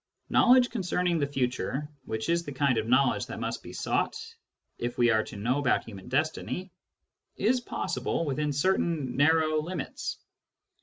Knowledge concerning the future — which is the kind of knowledge that must be sought if we are to know about human destiny — is possible within certain narrow limits.